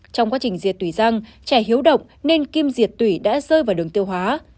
trong quá trình diệt tủy răng trẻ hiếu động nên kim diệt tủy đã rơi vào đường tiêu hóa